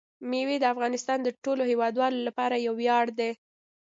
مېوې د افغانستان د ټولو هیوادوالو لپاره یو ویاړ دی.